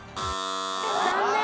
残念！